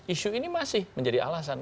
isu ini masih menjadi alasan